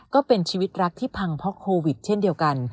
ก็เป็นชีวิตรักที่พังเพราะโควิดเช่นเดียวกัน